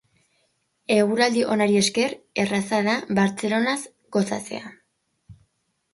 Eguraldi onari esker, erraza da Bartzelonaz gozatzea.